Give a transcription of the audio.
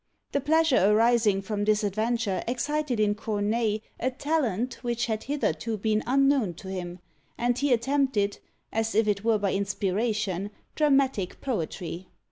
The pleasure arising from this adventure excited in Corneille a talent which had hitherto been unknown to him, and he attempted, as if it were by inspiration, dramatic poetry.